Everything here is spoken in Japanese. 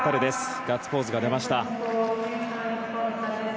ガッツポーズが出ました。